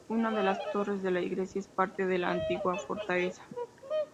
Una de las torres de la iglesia es parte de la antigua fortaleza.